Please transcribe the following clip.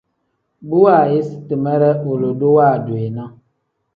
Bu waayisi timere wilidu waadu yi ne.